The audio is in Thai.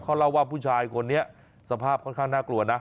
เขาเล่าว่าผู้ชายคนนี้สภาพค่อนข้างน่ากลัวนะ